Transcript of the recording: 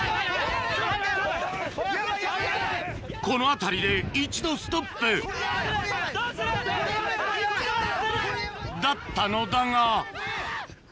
この辺りで一度ストップヤバい